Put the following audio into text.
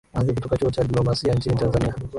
mhadhiri kutoka chuo cha diplomasia nchini tanzania